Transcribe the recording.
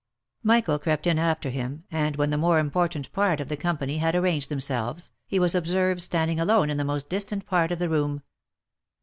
Michael crept in after him, and when the more important part of the company had arranged themselves, he was observed standing alone in the most distant part of the room.